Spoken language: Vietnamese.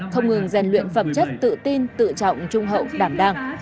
không ngừng dành luyện phẩm chất tự tin tự trọng trung hậu đảm đăng